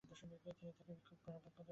তিনি তাকে ভিক্ষুর শপথ গ্রহণের অনুরোধ জানান।